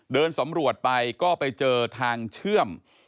เดินสำรวจไปก็ไปเจอทางเชื่อม